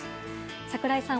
櫻井さん